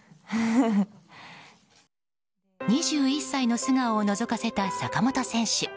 ２１歳の素顔をのぞかせた坂本選手。